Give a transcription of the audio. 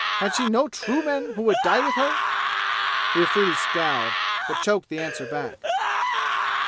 "Had she no true men who would die with her?" The Afridi scowled, but choked the answer back.